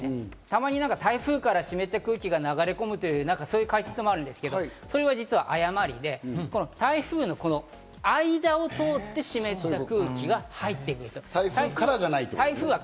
たまに台風から湿った空気が流れ込むという解説もあるんですけど、それは実は誤りで、台風のこの間を通って、湿った空気が入ってくる。